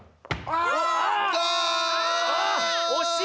あ！